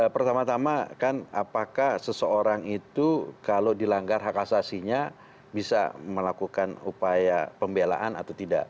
pertama tama kan apakah seseorang itu kalau dilanggar hak asasinya bisa melakukan upaya pembelaan atau tidak